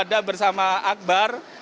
berada bersama akbar